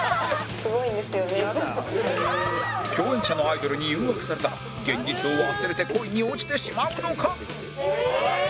共演者のアイドルに誘惑されたら現実を忘れて恋に落ちてしまうのか？